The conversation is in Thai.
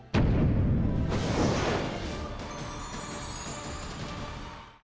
โปรดติดตามตอนต่อไป